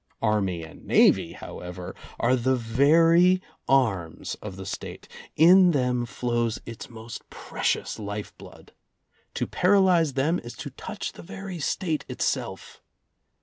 Army and Navy, however, are the very arms of the State; in them flows its most precious life blood. To paralyze them is to touch the very State itself.